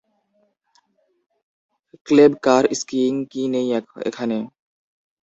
Cable car, skiing কী নেই এখানে।